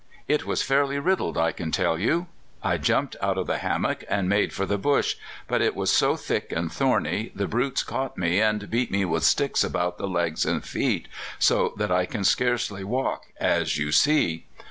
It was fairly riddled, I can tell you. I jumped out of the hammock, and made for the bush; but it was so thick and thorny, the brutes caught me and beat me with sticks about the legs and feet, so that I can scarcely walk, as you see.